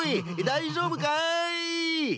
大丈夫かい？